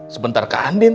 sebentar ke andin